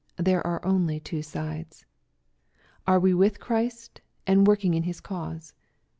There are only two sides. Are we with Christ, and working in His cause